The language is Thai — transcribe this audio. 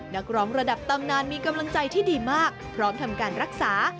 นักร้องระดับตำนานมีกำลังใจที่ดีมากพร้อมทำการรักษา